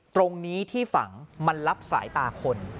ตรงนี้ที่ฝังมันรับสายตาคน